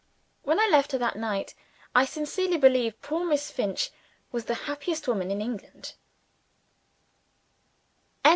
When I left her that night, I sincerely believe "poor Miss Finch" was the happiest woman in England.